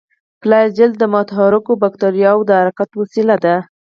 فلاجیل د متحرکو باکتریاوو د حرکت وسیله ده.